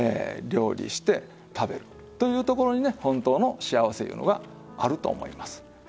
料理して食べるというところにね本当の幸せいうのがあると思います。